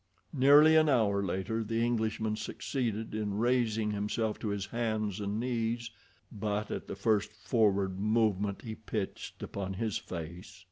Nearly an hour later the Englishman succeeded in raising himself to his hands and knees, but at the first forward movement he pitched upon his face.